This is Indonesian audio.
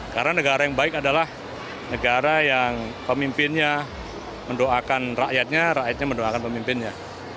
karena negara yang baik adalah negara yang pemimpinnya mendoakan rakyatnya rakyatnya mendoakan pemimpinnya